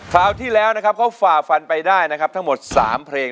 คราวที่แล้วเขาฝ่าฟันป้ายได้ทั้งหมด๓เพลง